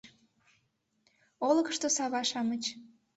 Олыкышто сава-шамыч